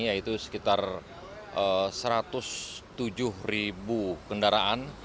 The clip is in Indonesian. yaitu sekitar satu ratus tujuh ribu kendaraan